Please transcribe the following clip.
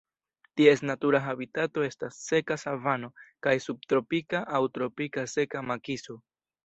Ties natura habitato estas seka savano kaj subtropika aŭ tropika seka makiso.